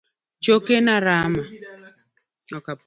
Chokena rama.